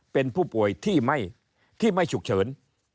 เป็นผู้ป่วยที่ไม่ฉุกเฉิน